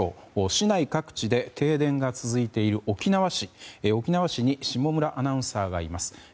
市内各地で停電が続いている沖縄市に下村アナウンサーがいます。